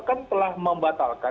kan telah membatalkan